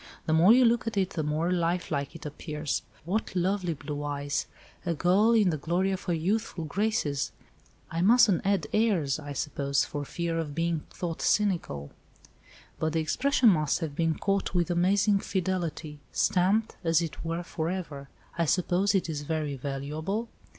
The more you look at it the more life like it appears. What lovely blue eyes! A girl in the glory of her youthful graces; I mustn't add airs, I suppose, for fear of being thought cynical. But the expression must have been caught with amazing fidelity. Stamped, as it were, for ever. I suppose it is very valuable?"